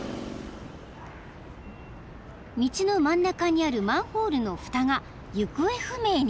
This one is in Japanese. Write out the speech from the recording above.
［道の真ん中にあるマンホールのふたが行方不明に］